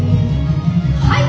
はい！